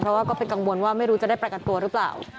เพราะว่าก็เป็นกังวลว่าไม่รู้จะได้ประกันตัวหรือเปล่า